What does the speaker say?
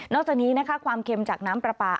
นอกจากนี้ความเข็มจากน้ำปลาปลา